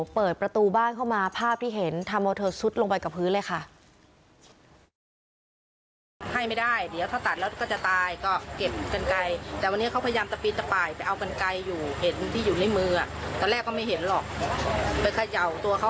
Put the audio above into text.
เปิดประตูบ้านเข้ามาภาพที่เห็นทำเอาเธอซุดลงไปกับพื้นเลยค่ะ